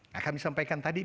nah kami sampaikan tadi